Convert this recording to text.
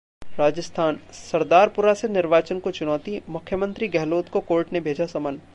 राजस्थान: सरदारपुरा से निर्वाचन को चुनौती, मुख्यमंत्री गहलोत को कोर्ट ने भेजा समन